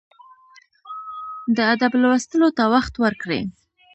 د ادب لوستلو ته وخت ورکړئ.